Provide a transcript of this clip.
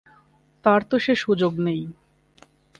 তার তো সে সুযোগ নেই।